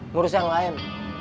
ngurus yang lain